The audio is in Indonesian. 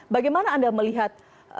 bagaimana anda melihat